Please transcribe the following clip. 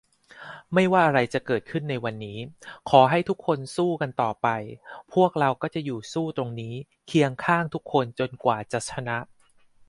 ไม่ว่าอะไรจะเกิดขึ้นในวันนี้ ขอให้ทุกคนสู้กันต่อไป พวกเราก็จะสู้อยู่ตรงนี้ เคียงข้างทุกคนจนกว่าจะชนะ